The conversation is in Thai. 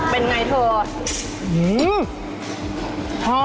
เป็นไงเถอะ